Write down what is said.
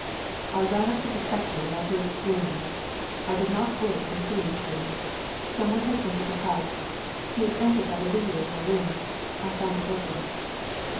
'I ran up to protect you when I heard screams; I did not wake till you screamed. Some one has entered the house. He has entered by the window in my room; I found it open.'